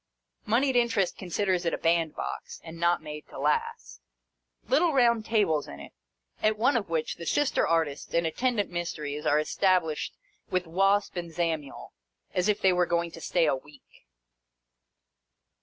Mouied Interest considers it a bandbox, and not made to last. Little round tables in it, at one of which the Sister Artists and attendant Mysteries are established with Wasp and Zamiel, as if they were going to stay a week.